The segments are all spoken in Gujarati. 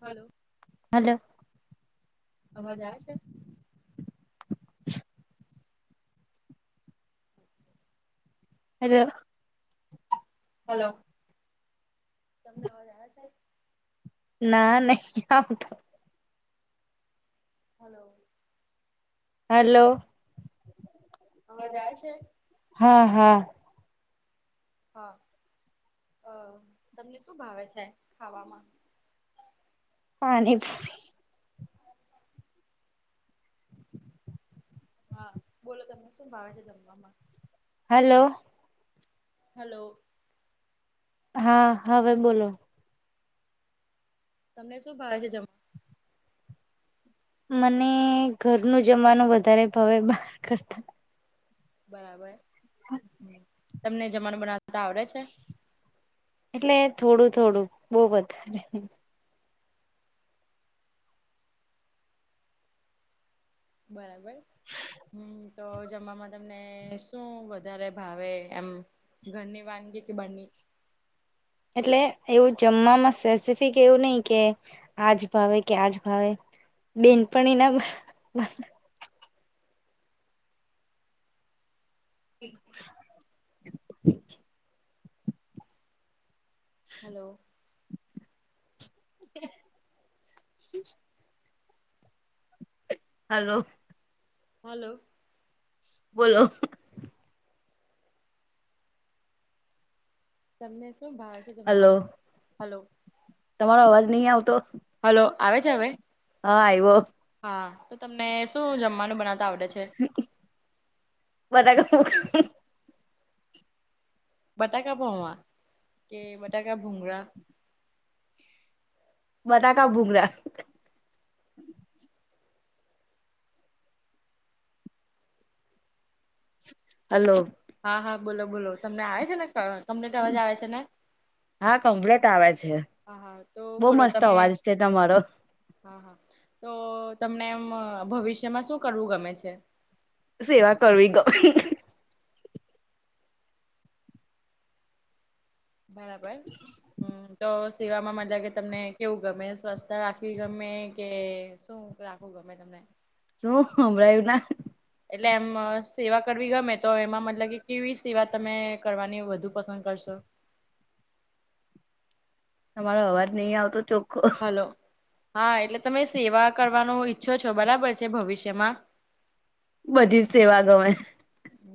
હલો હલો અવાજ આવે છે હલો હલો તમને અવાજ આવ છે ના નહી આવું તો હલો હલો અવાજ આવે છે હા હા હા અ તમને શું ભાવે છે ખાવામાં પાણીપુરી હા બોલો તમને શું ભાવે છે જમવામાં હલો હલો હા હવે બોલો તમને શું ભાવે છે જમ મને ઘરનું જમવાનું વધારે ભાવે બહાર કરતા બરાબર તમને જમાનું બનાવતા આવડે છે એટલે થોડું થોડું બહ વધારે ની બરાબર હમ્મ તો જમમાં તમને શું વધારે ભાવે એમ ઘરની વાનગી કે બહારની એટલે એવું જમવામાં સ્પેસિફિક એવું નહી કે આજ ભાવે કે આજ ભાવે બેનપણીના [inaudible] હલો હલો હલો બોલો તમને શું ભાવે છે હલો જમવામાં હલો તમારો અવાજ નહીં આવતો હલો આવે છે હવે હા આયવો હા તો તમને શું જમવાનું બનાવતા આવડે છે બધા કર બટાકા પૌવા કે બટાકા ભૂઘરા બટાકા ભૂકરા હલો હા હા બોલો બોલો તમને આવે છે ને તમને ત અવાજ આવે છે ને હા કમ્પ્લેટ આવે છે હા હા તો બહ બોલો મસ્ત તમે અવાજ છે તમારો હા હા તો તમને એમ ભવિષ્યમાં શું કરવું ગમે છે સેવા કરવી ગમે બરાબર હમ્મ દોસ સેવામાં મજાકે તમને કેવું ગમે? સ્વસ્થ રાખવી ગમે, કે શું રાખવું ગમે તમને. શું વેલના એટલે એમ સેવા કરવી ગમે, તો એમાં મતલબકે કેવી સેવા તમે કરવાની વધુ પસંદ કરશો? તમારો અવાજ નહીં આવતો ચોક હલો, હા, એટલે તમે સેવા કરવાનો ઈચ્છો છો, બરાબર છે ભવિષ્યમાં. બધીજ સેવા ગમે.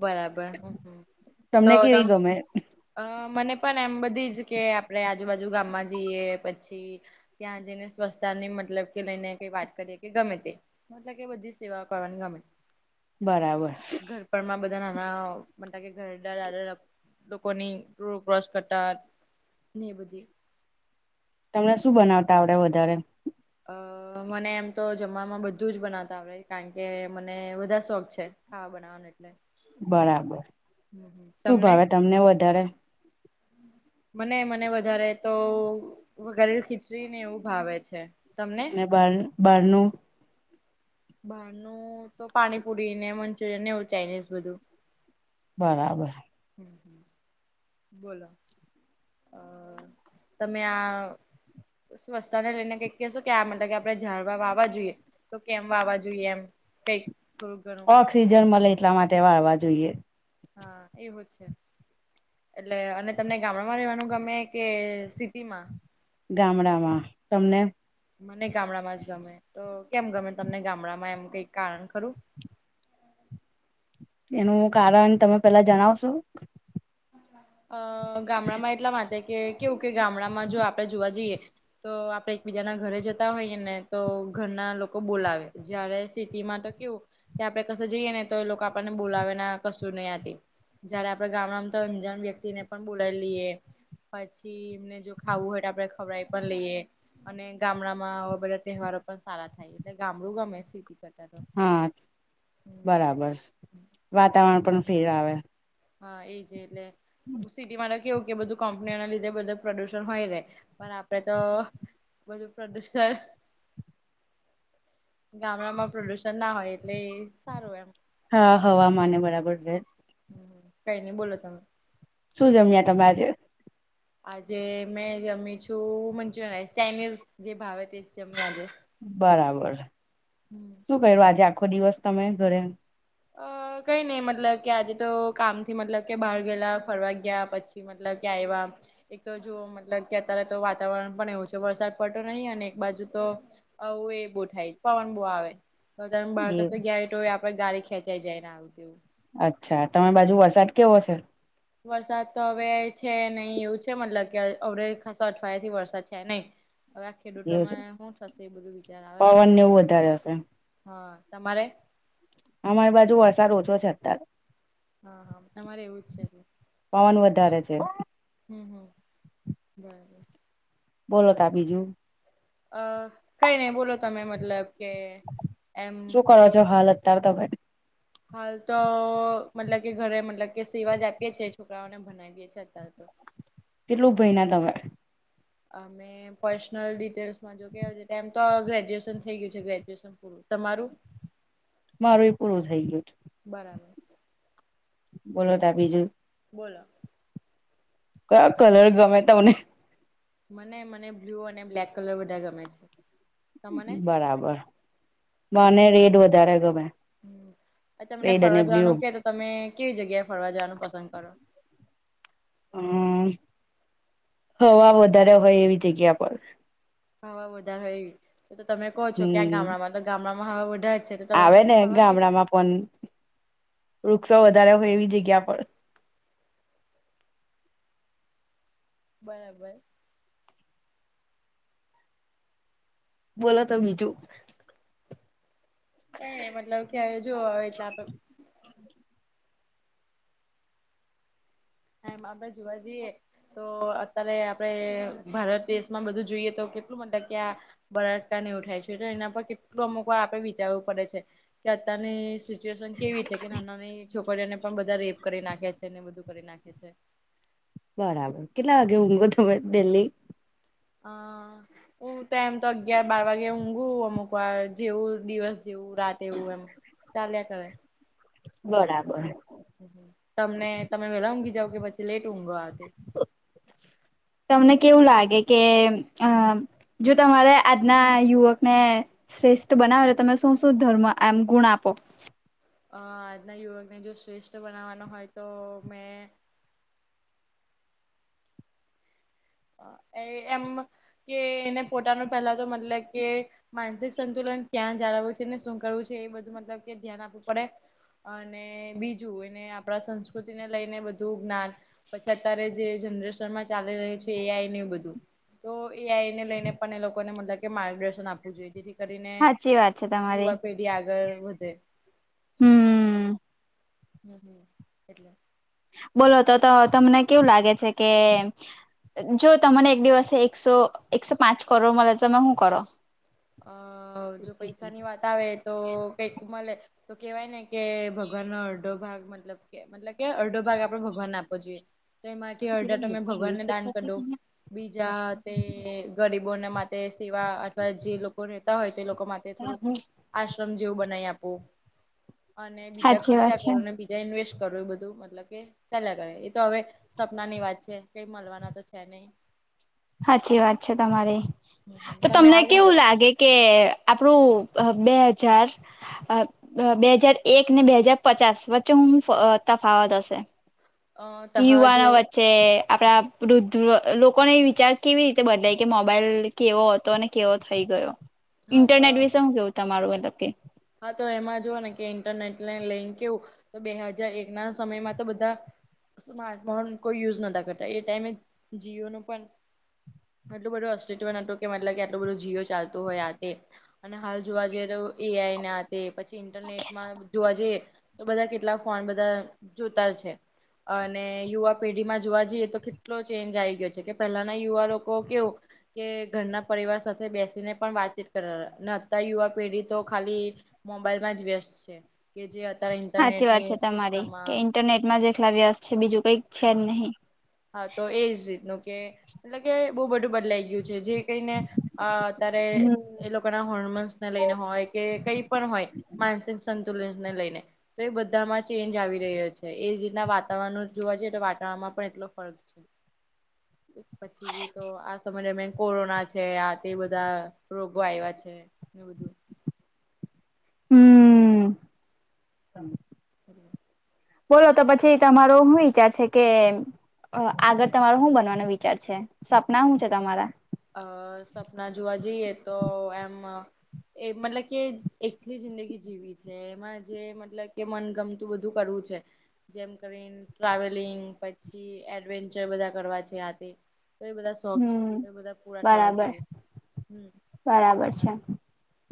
બરાબર હમ્મ હમ્મ તો તમને તમ કેવી ગમે અ મને પણ એમ બધીજ કે, આપણે આજુબાજુ ગામમાં જઈએ, પછી ત્યાં જઈને સ્વચ્તાની મતલબ કે લઈને કઈ વાત કરીએ, કે ગમે તે. મતલબ કે બધી સેવાઓ કવાની ગમે. બરાબર. ઘરપણમાં બધાના રાવ મનતાકે ઘરડા દાદા લોકોની રો ક્રોસ કરતા ને બધી. ત્યાં શું બનાવતા આવડે વધારે? અ મને એમ તો જમમાં બધું જ બનાવતા આવડે, કારણ કે મને બધા શોખ છે ખાવા બના વાના એટલે. બરાબર, શું ભાવે તમને વધારે? [inaudible] મને, મને વધારેતો વઘારેલી ખીચડી ને એવું ભાવે છે. તમને ને બાર, બારનું? બહારનું તો પાણીપુરીને, મંચુરિયનને એવું ચાઇનીઝ બધું. બરાબર. હમ્મ હમ્મ બોલો અ તમે આ સ્વસ્તા ને લઈને કઈક કહેશો, કે આ મતલબ કે આપડણે ઝાડવા વાવા જોઈએ. તો કેમ વાવા જોઈએ? એમ કઈક થોડું ઘ ઓક્સિજન મળે એટલા માટે વાવા જોઈએ. હા એવો છે. એટલે, અને તમને ગામડામાં રહેવાનું ગમે, કે સિટી માં? ગામડામાં, તમને? મને ગામડામાં જ ગમે, તો કેમ ગમે તમને ગામડામાં એમ કઈ કારણ ખરું? એનું કારણ તમે પેલા જણાવશો? અ ગામડામાં એટલા માટે, કે કેવું કે ગામડામાં જો આપડે જોવા જઈએ તો આપડે એકબીજાના ઘરે જતા હોઈએ ને, તો ઘરના લોકો બોલાવે, જયારે સી ટી મા તો કેવું, કે આપડે કશે જઈએ ને તો એ લોકો આપણને બોલાવે ના કશું નહી આથી. જયારે આપડે ગામડામ તો, અમજણ વ્યક્તિ ને પણ બોલાવી લઈએ. પછી એમને જો ખાવું હોય તો, આપડે ખવડઈ પણ લઈએ. અને ગામડામાં આવા બધા તહેવારો પણ સારા થાય, એટલે ગામડું ગમે સીટી કર હા, બરાબર, વાતાવરણ પણ ફીર આવે. હા એજ એટલે. સિટી માંતો કેવું કે, બધું કંપનીઓ ના લીધે બધું પ્રદુષણ હોયને, પણ આપડે તો બધું પ્રદુષણ ગામડામાં પ્રદુષણ ના હોય એટલે એ સારું એમ. હા હવામાને બરાબર રહે. હમ્મ કઈ નહી બોલો તમે. શું જમ્યા તમે આજે? આજે મેં જમી છું મંચુરયન રાઇસ, ચાઇનીઝ જે ભાવે તેજ જમી આજે. બરાબર, હમ શું કર્યું આજે આખો દિવસ તમે ઘરે? અ કઈ નઈ, મતલબ કે, આજે તો કામ થી મતલબ કે, બહાર ગયેલા, ફરવા ગયા, પછી મતલબ, ક્યા આયવા? એક તો જુ મતલબ કે, અત્યારે તો વાતાવરણ પણ એવું છે, વરસાદ પડતો નહીં, અને એક બાજુ તો હવે એ બો થાય, પવન બહુ આવે. ત એ બાળકસ ગયેલો, તોય આપડે ગાડી ખેંચાઈ જાય ને, આવવું. અચ્છા, તમે બાજુ વરસાદ કેવો છે? વરસાદ તો હવે છે, નહીં એવું છે, મતલબ કે, અડ ખાસો અઠવાડિયા થી વરસાદ છે નહી. હવે આ એવું છે ખેડૂતોમાં શું થશે? એ બધું વિચાર આવે, પવન ને એવું વધારે હશે હા, તમારે. અમારી બાજુ વરસાદ ઓછો છે અત્યારે. હા, હા, તમારે એવું જ છે, ભ. પવન વધારે છે હ, હ, બરાબર. બોલો તો બીજું? અ કંઈ નહીં, બોલો? તમે મતલબ. કે એમ શું કરો કઈ છો? હાલ અત્યારે તમે. હાલ તો, મતલબ કે, ઘરે મતલબ કે સિવા જ આપીએ છે, છોકરાઓને ભનાવીએ છીએ, અત્યારે તો. કેટલું ભણીયા તમે? અમે પર્સનલ ડિટેલ્સમાં જો કેવાય, તેમ તો ગ્રેજ્યુએશન થઇ ગયું છે, ગ્રેજ્યુએશન તમારું? મારું એ પૂરું થઈ ગયું છે. બરાબર. બોલો તો બીજું? બોલો? કયા કલર ગમે તમને? મને મને બ્લુ અને બ્લેક કલર બધા ગમે છે. તમને બરાબર, મને રેટ વધારે ગમે. હ, તમને રેડ અને ફરવા જવાનું બ્લુ કે, તો તમે કેવી જગ્યાએ ફરવા જવાનું પસંદ કરો? હમ, હવા વધારે હોય એવી જગ્યા પર. હવા બી હોય, એવી તો તો તમે કહો છો, કયાં હમ ગામડામાં તો ગામડામાં હવા બધા જ છે. તો તમે આવે ને પછી ફરવા નહી જાય ગામડામાં પણ, વૃક્ષો વધારે હોય એવી જગ્યા પર. બરાબર. બોલો તો બીજું? ક મતલબ કે જોવા આવે, એટલે આપડે [unintelligible] હા, મા ભાઈ જોવા જઈએ. તો અત્યારે આપણે ભારત દેશમાં બધું જોઈએ તો કેટલું, મતલબ કે આ બળાત્કાર ને ઉઠાય છે, તો એના પર કેટલું અમુક વાર આપડે વિચારવું પડે છે કે, અત્યારની સિચ્યુએશન કેવી છે કે, નાના ની છોકરીઓને પણ બધા રેપ કરી નાખે છે ને, બધું કરી નાખે છે. બરાબર, કેટલા વાગે ઊંઘો તમે ડેલી? હા. હું તો એમ તો અગિયાર બાર વાગે ઊંઘું, અમુક વાર જેવું દિવસ, જેવું રાતે એવું એમ. ચાલીયા કરાય. બરાબર. તમને તમે વેલા ઊંઘી જાવ કે પછી લેટ ઊંઘો, આ તે? તમને કેવું લાગે કે અ? જો તમારે આજના યુવકને. શ્રેષ્ઠ બનાવે એટલે તમે શું શું ધર્મ એમ ગુણ આપો? અ આજના યુવકને જો શ્રેષ્ઠ બનાવવાનો હોય, તો મેં. એ એમ કે, એને પોતાનું પેલા તો મતલબ કે. માનસિક સંતુલન ક્યાં જાળવું છે ને, શું કરવું છે એ બધું, મતલબ કે ધ્યાન આપવું પડે. અને બીજું એને આપણા સંસ્કૃતિને લઈને, બધું જ્ઞાન. પછી અત્યારે જે જનરેશનમાં ચાલી રહી એ આઈ ને એવુ બધું તો એઆઈને લઈને પણ એ લોકોને મતલબ કે માર્ગદર્શન આપવું જોઈએ જેથી કરીને સાચી વાત છે તમારી. યુવા પેઢી આગળ વધે હમ. [unintelligible] એટલે બોલો તત તમને કેવું લાગે છે, કે જો તમને એક દિવસે એકસો એકસો પાંચ કરોડ મળે તમે હુ કરો? અ જો પૈસાની વાત આવે તો કઈક મલે તો કેવાય ને કે ભગવાનનો અડધો ભાગ મતલબ કે મતલબ કે અડધો ભાગ આપડે ભગવાનને આપો જોએ તો એમાંથી અડધા તમે ભગવાનને દાન કરદવ બીજા તે ગરીબોને માટે સેવા અથવા જે લો કો રહેતા હોય તો એ લોકો માટે થોડુંક આશ્રમ જેવું બનાય આપુ અને બીજા સાચી વાત ખર્ચા છે. કરુ બીજા ઇન્વેસ્ટ કરુ એ બધું મતલબ કે ચાલ્યા કરે એ તો હવે સપના ની વાત છે, કઈ મળવાના તો છે, નય હાચી વાત છે, તમારી તો તમે તમને કેવું આવો લાગે કે આપણું બે હજાર અ બે હાજાર એક ને બે હાજાર પચાસ વચ્ચે હું અ તફાવત હશે અ ત યુવાનો જે વચ્ચે આપડા વૃદ્ધ લોકોને વિચાર કેવી રીતે બદલાય કે મોબાઈલ કેવો હતો અને કેવો થઈ ગયો હા ઇન્ટરનેટ વિશે હુ કેવું તમારું મતલબ કે હ તો એમાં જુઓ ને કે ઇન્ટરનેટ લે લેન્ક કેવું તો બે હાજાર એક ના સમયમાં તો બધા સ્માર્ટફોન કોઈ યુઝ નતા કરતા એ ટાઈમે જીઓ નુ પન એટલું બધું અસ્તિત્વ નતું કે મતલબ કે આટલું બધું જીઓ ચાલતું હોય આ તે અને હાલ જોવા જઈએ તો એઆઈ ના તે પછી ઇન્ટરનેટમાં જોવા જઈએ તો બધા કેટલા ફોન બધા જોતા છે. અને યુવા પેઢીમાં જોવા જઈએ તો કેટલો ચેન્જ આયી ગયો છે, કે પહેલાના યુવા લોકો કેવું કે ઘરના પરિવાર સાથે બેસીને પણ વાતચીત કર અને અ યુવા પેઢી તો ખાલી મોબાઈલમાં જ વ્યસ્ત છે, કે જે અત્યારે સાચી વાત ઇન્ટરનેટની છે તમારી સિસ્ટમમાં કે ઇન્ટરનેટમાં જેટલા વ્યસ્ત છે, બીજું કઈક છે, હા જ નહીં હા તો એજ રીતનું કે મતલબ કે બો બધું બદલાઈ ગયું છે, જે કેયને અતારે એ લોકો ના હોર્મોન્સને લઈને હોય કે કઈ પણ હોય માનસિક સંતુલનને લઈને તો એ બધામાં ચેન્જ આવી રહ્યો છે, એ રીતના વાતાવરણ જોવા જઈએ તો વાતાવરણમાં પણ એટલો ફકૅ છે, પછી તો આ સમય દરમ્યિન કોરોના છે, આ તે બધા રોગો આવ્યા છે, એ બધું હમ. [inaudible] બોલો તો પછી તમારો હુ વિચાર છે, કે અ આગળ તમારો હુ બનવાનો વિચાર છે, સપના હુ છે, તમારા અ સપના જોવા જઈએ તો એમ એ મતલબ કે એકલી જિંદગી જીવી છે, એમાં જે મતલબ કે મનગમ તુ બધું કરવું છે. જેમ કરીને ટ્રાવેલિંગ પછી એડવેન્ચર બધા કરવા છે, આ તે તો એ બધા શોખ છે, હમ તો એ બધા પૂરા થવા બરાબર જોઈએ હમ બરાબર છે.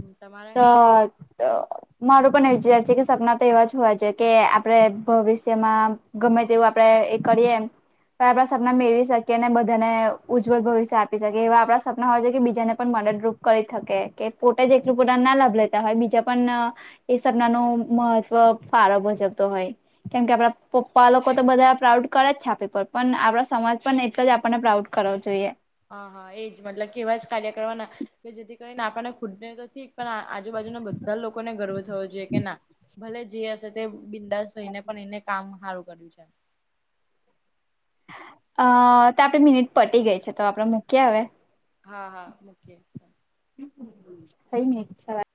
હમ તમા [inaudible] મારું પણ એ વિચાર છે, કે સપના તો એવા જ હોવા જોઈએ કે આપણે ભવિષ્યમાં ગમે તેવું આપડે એ કરીએ તો આપડા સપના મેળવી શકીએ અને બધાને ઉજ્જવલ ભવિષ્ય આપી શકીએ એવા આપણા સપના હોય છે કે બીજાને પણ મદદરૂપ કરી શકે કે પોતે જે એટલું પોતા ના લાભ લેતા હોય બીજા પણ એ સપના નુ મહત્વ ફારો મુજવતો હોય કેમ કે આપડા પપ્પા લોકો તો બધા પ્રાઉડ કરે જ છ આપડી ઉપર પણ આપડા સમાજ પણ એટલે જ આપણને પ્રાઉડ કરવો જોઈએ હા હા એ જ મતલબ એવા જ કાર્ય કરવાના કે જેથી કરીનેપાને ખુદ ને નથી પણ આજુબાજુના બધ ધ લોકોને ગર્વ થવો જોઈએ કે ના ભલે જે હશે તે બિંદાસ થઈને પણ એને કામ સારું કર્યું છે અ તો આપે મિનિટ પટી ગઈ છે તો આપડે મૂકી હવે હા હા મુકિયે [unintelligible]